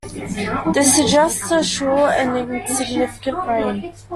This suggests a short and insignificant reign.